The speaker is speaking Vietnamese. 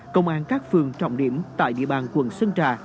công an các phường trọng điểm tại địa bàn quận sơn trà